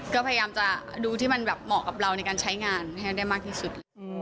ก็พยายามจะดูที่มันแบบเหมาะกับเราในการใช้งานให้ได้มากที่สุด